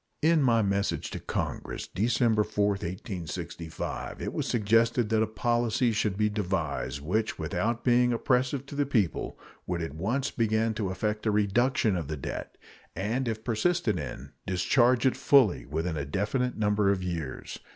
In my message to Congress December 4, 1865, it was suggested that a policy should be devised which, without being oppressive to the people, would at once begin to effect a reduction of the debt, and, if persisted in, discharge it fully within a definite number of years.